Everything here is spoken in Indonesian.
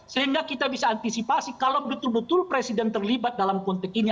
sehingga kita bisa antisipasi kalau betul betul presiden terlibat dalam konteks ini